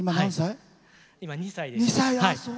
今、２歳です。